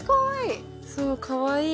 そうかわいい。